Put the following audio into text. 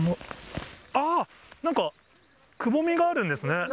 あー、なんか、くぼみがあるんですね。